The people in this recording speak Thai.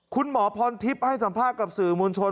คุณหมอพรทิพย์ให้สัมภาษณ์กับสื่อมวลชน